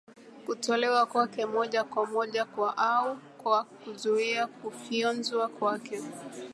kutolewa kwake moja moja kwa au kwa kuzuia kufyonzwa kwake